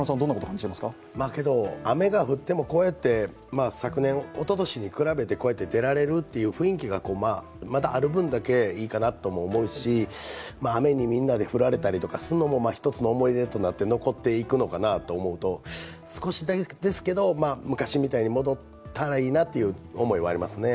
雨が降っても、昨年、おととしに比べて出られる雰囲気があるだけまだいいかなと思うし雨にみんなで降られたりするのも一つの思い出として残っていくのかなと思うと、少しですけど、昔みたいに戻ったらいいなという思いはありますね。